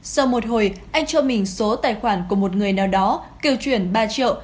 sau một hồi anh cho mình số tài khoản của một người nào đó kêu chuyển ba triệu